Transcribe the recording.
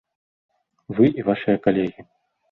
Вы і вашыя калегі.